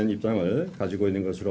juga muncul dari kepentingan